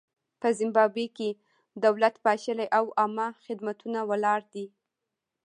په زیمبابوې کې دولت پاشلی او عامه خدمتونه ولاړ دي.